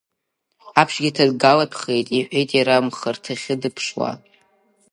Ҳаԥшгьы ҭагалатәхеит, — иҳәеит иара, амхырҭахьы дыԥшуа.